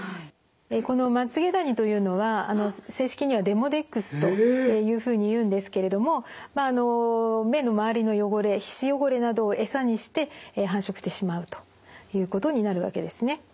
このまつげダニというのは正式にはデモデックスというふうにいうんですけれども目の周りの汚れ皮脂汚れなどを餌にして繁殖してしまうということになるわけですね。